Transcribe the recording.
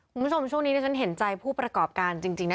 คุณผู้ชมช่วงนี้ที่ฉันเห็นใจผู้ประกอบการจริงนะ